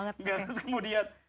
gak harus kemudian